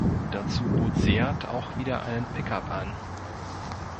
Dazu bot Seat auch wieder einen Pick-up an.